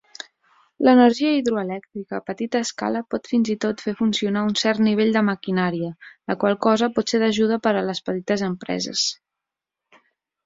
L'energia hidroelèctrica a petita escala pot fins i tot fer funcionar un cert nivell de maquinària, la qual cosa pot ser d'ajuda per a les petites empreses.